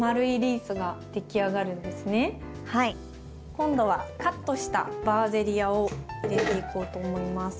今度はカットしたバーゼリアを入れていこうと思います。